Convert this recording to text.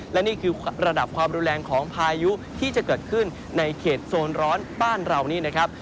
และนี่คือระดับความรุนแรงของพายุที่จะเกิดขึ้นในเขตโซนร้อนบ้านเรานี่นะครับ